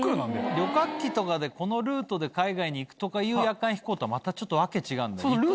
旅客機とかでこのルートで海外に行くとかいう夜間飛行とはまたちょっとわけ違うんだ。